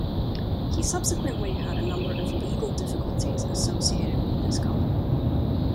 He subsequently had a number of legal difficulties associated with this company.